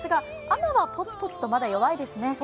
雨はポツポツと、まだ弱いですね。